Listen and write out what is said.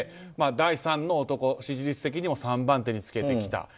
第３の男、支持率的にも３番手につけてきた。